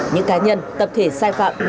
những cá nhân tập thể sai phạm